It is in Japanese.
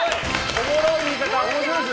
おもろい言い方。